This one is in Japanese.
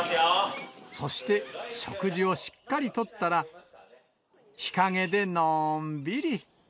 そして、食事をしっかりとったら、日陰でのーんびり。